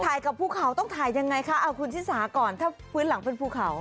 กับภูเขาต้องถ่ายยังไงคะเอาคุณชิสาก่อนถ้าพื้นหลังเป็นภูเขา